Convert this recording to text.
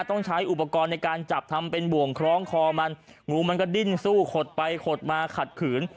ต้องใช้อุปกรณ์ในการจับทำเป็นบ่วงคล้องคอมันงูมันก็ดิ้นสู้ขดไปขดมาขัดขืน